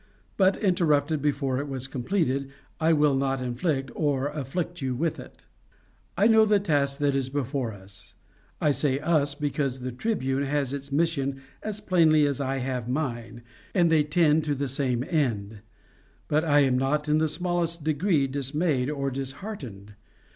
But, interrupted before it was completed, I will not inflict, or afflict, you with it. I know the task that is before us I say us, because the Tribune has its mission as plainly as I have mine, and they tend to the same end. But I am not in the smallest degree dismayed or disheartened.